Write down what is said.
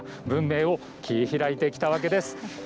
文明を切り開いてきたわけです。